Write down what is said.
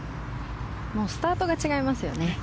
スタートが違いますよね。